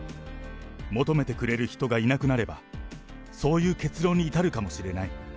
求めてくれる人がいなくなれば、そういう結論に至るかもしれない。